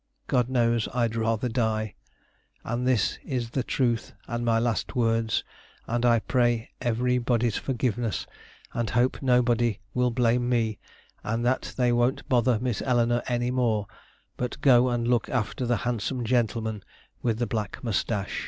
God knows I'd rathur die. And this is the truth and my last words and I pray every body's forgivness and hope nobody will blame me and that they wont bother Miss Elenor any more but go and look after the handsome gentulman with the black mushtash."